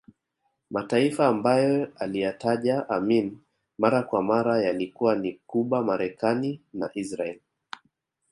Mataifa ambayo aliyataja Amin mara kwa mara yalikuwa ni Cuba Marekani na Israeli